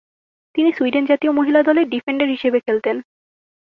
তিনি সুইডেন জাতীয় মহিলা দলে ডিফেন্ডার হিসেবে খেলতেন।